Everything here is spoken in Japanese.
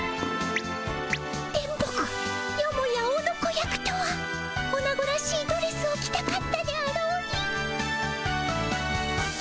電ボ子よもやオノコ役とはオナゴらしいドレスを着たかったであろうに。